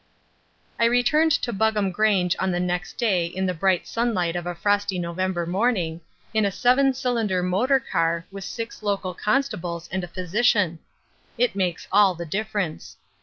I returned to Buggam Grange on the next day in the bright sunlight of a frosty November morning, in a seven cylinder motor car with six local constables and a physician. It makes all the difference.